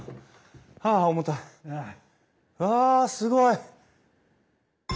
わあすごい！